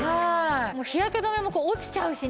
もう日焼け止めも落ちちゃうしね。